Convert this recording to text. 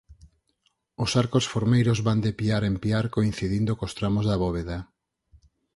Os arcos formeiros van de piar en piar coincidindo cos tramos da bóveda.